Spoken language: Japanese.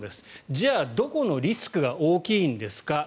じゃあ、どこのリスクが大きいんですか？